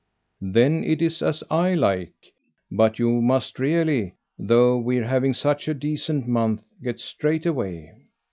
"Then it's as I like. But you must really, though we're having such a decent month, get straight away."